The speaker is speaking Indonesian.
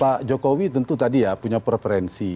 pak jokowi tentu tadi ya punya preferensi